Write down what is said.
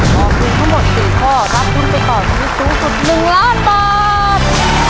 ตอบถูกทั้งหมด๔ข้อรับทุนไปต่อชีวิตสูงสุด๑ล้านบาท